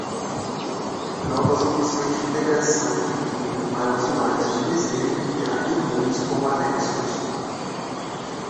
Novas opções de integração de email para usuários que desejam enviar emails com anexos.